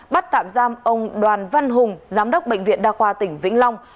bắt tạm giam ông đoàn văn hùng giám đốc bệnh viện đa khoa tỉnh vĩnh long